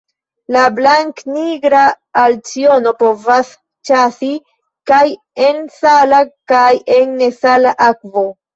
La Blanknigra alciono povas ĉasi kaj en sala kaj en nesala akvo.